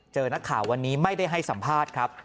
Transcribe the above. เจอนักข่าววันนี้ไม่ได้ให้สัมภาษณ์ครับ